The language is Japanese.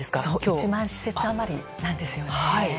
１万施設余りなんですね。